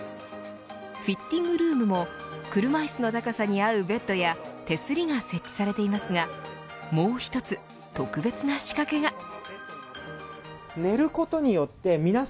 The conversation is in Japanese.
フィッティングルームも車いすの高さに合うベッドや手すりが設置されていますがもう一つ特別な仕掛けが。